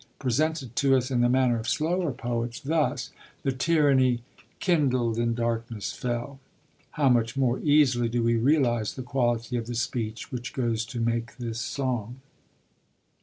Presented to us in the manner of slower poets, thus: The tyranny Kindled in darkness fell, how much more easily do we realise the quality of the speech which goes to make this song.